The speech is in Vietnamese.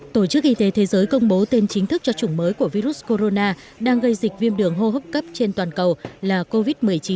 tổ chức y tế thế giới công bố tên chính thức cho chủng mới của virus corona đang gây dịch viêm đường hô hấp cấp trên toàn cầu là covid một mươi chín